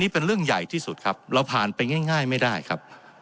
เป็นเรื่องใหญ่ที่สุดครับเราผ่านไปง่ายไม่ได้ครับ